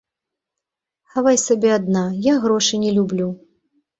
Хавай сабе адна, я грошы не люблю.